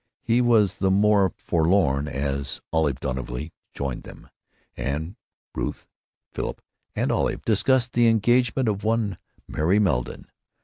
He was the more forlorn as Olive Dunleavy joined them, and Ruth, Philip, and Olive discussed the engagement of one Mary Meldon.